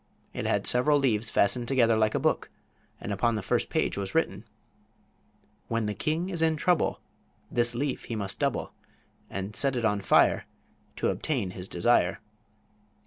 It had several leaves fastened together like a book, and upon the first page was written: "When the king is in trouble This leaf he must double And set it on fire To obtain his desire."